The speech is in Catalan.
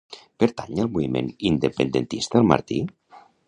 Pertany al moviment independentista el Martí?